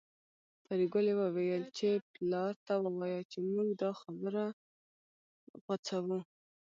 پري ګلې وويل چې پلار ته ووايه چې موږ دا خبره غوڅوو